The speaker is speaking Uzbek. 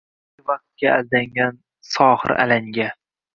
Ey vaqtga aldangan sohir alanga?!